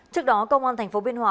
trước đó công an thành phố biên hòa